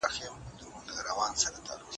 ډاکټر میتیو وايي د ناروغۍ مخنیوی ممکن دی.